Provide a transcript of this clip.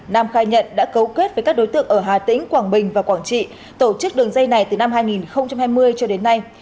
nam khai nhận đã cấu kết với các đối tượng ở hà tĩnh quảng bình và quảng trị tổ chức đường dây này từ năm hai nghìn hai mươi cho đến nay